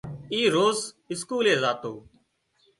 اِي روز اسڪولي زاتو